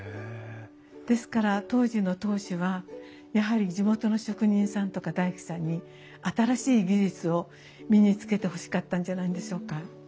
ですから当時の当主はやはり地元の職人さんとか大工さんに新しい技術を身につけてほしかったんじゃないんでしょうか。